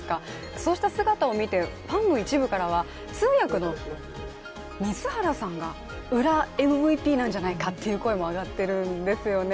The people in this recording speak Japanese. そうした姿を見て、ファンの一部からは、通訳の水原さんが裏ＭＶＰなんじゃないかという声も上がってるんですよね。